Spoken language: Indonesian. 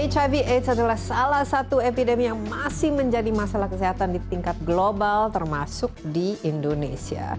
hiv aids adalah salah satu epidemi yang masih menjadi masalah kesehatan di tingkat global termasuk di indonesia